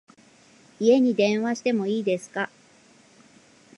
家に電話しても良いですか？